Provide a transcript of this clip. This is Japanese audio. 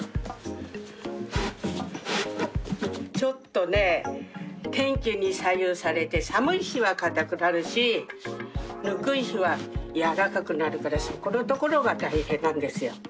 ちょっとね天気に左右されて寒い日は硬くなるしぬくい日は軟らかくなるからそこのところが大変なんですよ。